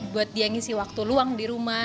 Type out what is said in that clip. buat dia ngisi waktu luang di rumah